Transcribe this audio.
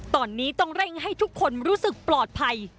ตอนนี้ต้องเร่งให้ทุกคนรู้สึกปลอดภัย